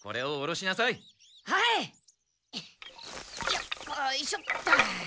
よっこいしょっと。